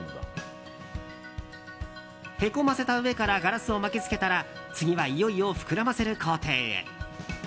へこませた上からガラスを巻き付けたら次は、いよいよ膨らませる工程へ。